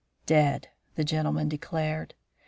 "Dead!" that gentleman declared.